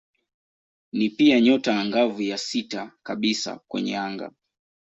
Ni pia nyota angavu ya sita kabisa kwenye anga.